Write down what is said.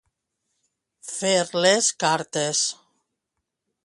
Fer les cartes.